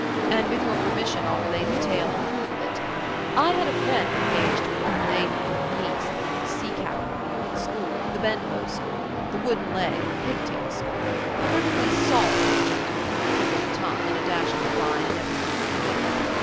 And with your permission, I'll relate the tale in proof of it. I had a friend engaged to a young lady, niece of an old sea captain of the old school, the Benbow school, the wooden leg and pigtail school; a perfectly salt old gentleman with a pickled tongue, and a dash of brine in every deed he committed.